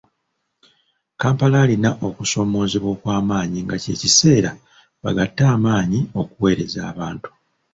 Kampala alina okusoomoozebwa okw’amaanyi nga kye kiseera bagatte amaanyi okuweereza abantu.